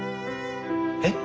えっ？